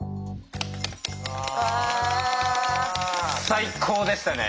最高でしたね。